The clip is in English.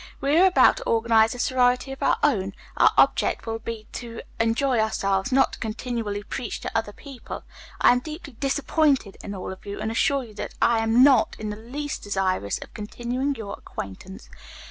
We are about to organize a sorority of our own. Our object will be to enjoy ourselves, not to continually preach to other people. I am deeply disappointed in all of you, and assure you that I am not in the least desirous of continuing your acquaintance.